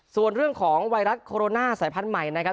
ส่วนเรื่องของไวรัสโคโรนาสายพันธุ์ใหม่นะครับ